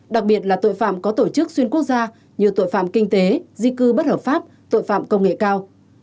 đặc biệt là tội phạm có tổ chức xuyên quốc gia như tội phạm kinh tế di cư bất hợp pháp tội phạm công nghệ cao